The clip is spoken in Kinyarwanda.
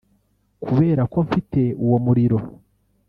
kubera ko mfite uwo muriro